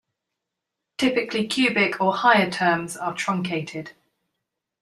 Typically cubic or higher terms are truncated.